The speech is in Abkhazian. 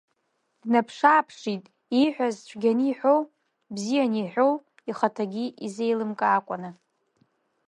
Даанаԥшы-ааԥшит, ииҳәаз цәгьаны иҳәоу ибзианы иҳәоу ихаҭагьы изеилымкаакәаны.